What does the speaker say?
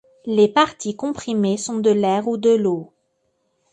Les parties comprimées sont de l’air ou de l’eau.